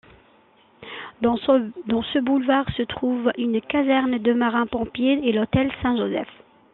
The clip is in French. Dans ce boulevard se trouvent une caserne de marins pompiers et l'hôpital Saint Joseph.